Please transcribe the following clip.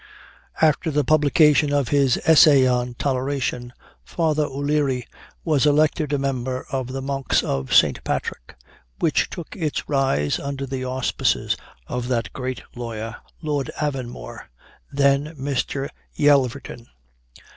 After the publication of his "Essay on Toleration," Father O'Leary was elected a member of the "Monks of St. Patrick," which took its rise under the auspices of that great lawyer, Lord Avonmore, then Mr. Yelverton.